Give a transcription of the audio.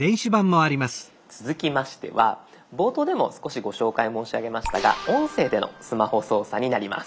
続きましては冒頭でも少しご紹介申し上げましたが音声でのスマホ操作になります。